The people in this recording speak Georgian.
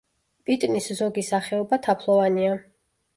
პიტნის ზოგი სახეობა თაფლოვანია.